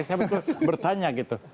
saya bertanya gitu